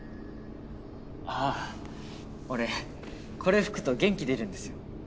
あ俺これ吹くと元気出るんですよ。